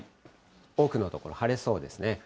多くの所、晴れそうですね。